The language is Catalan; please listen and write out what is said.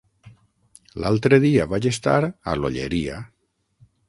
L'altre dia vaig estar a l'Olleria.